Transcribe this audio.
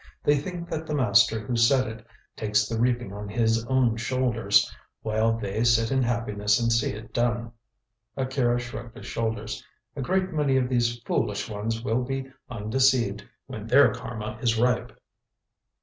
They think that the Master who said it takes the reaping on His own shoulders, while they sit in happiness and see it done." Akira shrugged his shoulders. "A great many of these foolish ones will be undeceived when their Karma is ripe."